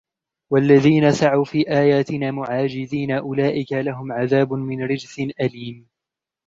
وَالَّذِينَ سَعَوْا فِي آيَاتِنَا مُعَاجِزِينَ أُولَئِكَ لَهُمْ عَذَابٌ مِنْ رِجْزٍ أَلِيمٌ